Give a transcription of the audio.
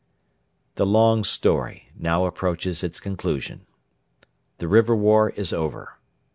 .......... The long story now approaches its conclusion. The River War is over.